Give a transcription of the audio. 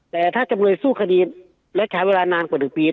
แต่ถ้าจำเลยสู้คดีและใช้เวลานานกว่า๑ปี